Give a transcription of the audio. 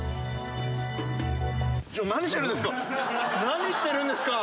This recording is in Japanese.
何してるんですか！？